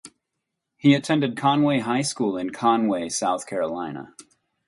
He attended Conway High School in Conway, South Carolina.